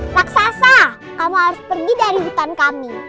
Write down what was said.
raksasa kamu harus pergi dari hutan kami